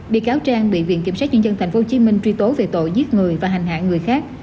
bị cáo trang bị viện kiểm sát nhân dân tp hcm truy tố về tội giết người và hành hạ người khác